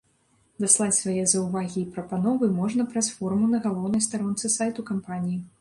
Даслаць свае заўвагі і прапановы можна праз форму на галоўнай старонцы сайту кампаніі.